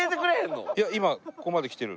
いや今ここまで来てるんで。